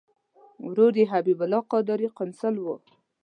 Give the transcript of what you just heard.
ورور یې حبیب الله قادري قونسل و.